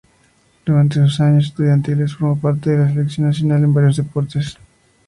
Durante sus años estudiantiles formó parte de la selección nacional en varios deportes.